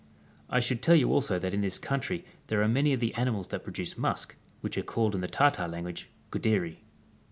I should tell you also that in this countrv there are many of the animals that produce musk, which are called in the Tartar language Gndderi.